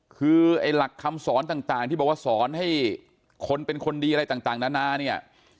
คือไอ้หลักคำสอนต่างที่บอกว่าสอนให้คนเป็นคนดีอะไรต่างนานาเนี่ย